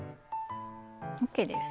ＯＫです。